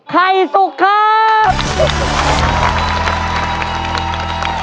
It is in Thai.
ไข่สุกครับ